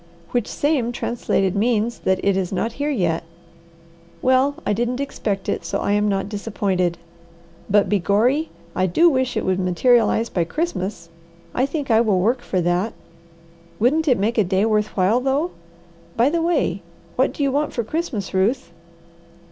"Which same translated means that it is not here yet. Well, I didn't expect it, so I am not disappointed; but begorry, I do wish it would materialize by Christmas. I think I will work for that. Wouldn't it make a day worth while, though? By the way, what do you want for Christmas, Ruth?"